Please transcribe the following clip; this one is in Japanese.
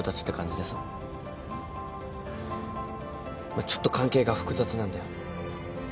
まあちょっと関係が複雑なんだよ。